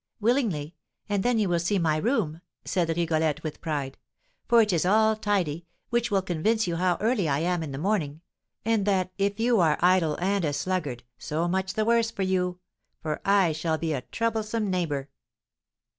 "Willingly; and then you will see my room," said Rigolette, with pride, "for it is all tidy, which will convince you how early I am in the morning; and that, if you are idle and a sluggard, so much the worse for you, for I shall be a troublesome neighbour."